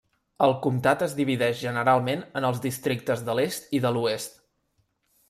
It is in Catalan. El comtat es divideix generalment en els districtes de l'est i de l'oest.